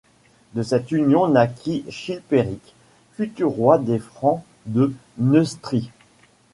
De cette union naquit Chilpéric, futur roi des Francs de Neustrie.